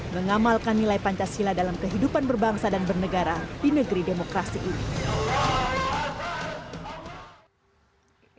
mengamalkan nilai pancasila dalam kehidupan berbangsa dan bernegara di negeri demokrasi ini